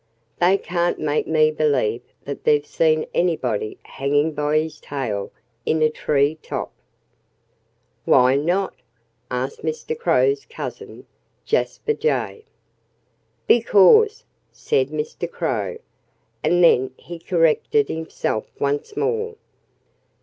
They can't make me believe that they've seen anybody hanging by his tail in a tree top." "Why not?" asked Mr. Crow's cousin, Jasper Jay. "Becaws " said Mr. Crow. And then he corrected himself once more.